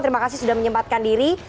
terima kasih sudah menyempatkan diri